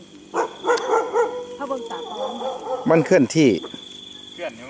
เอามันเคลื่อนเต้นไปเต้นมาเนี่ย